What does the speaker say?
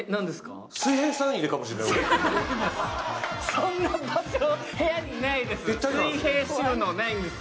そんな場所、部屋にないです